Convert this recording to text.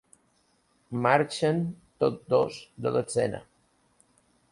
Marxen tots dos de l'escena.